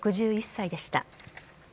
６１歳でした。